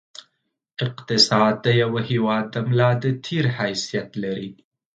اقتصاد د یوه هېواد د ملا د تېر حیثیت لري.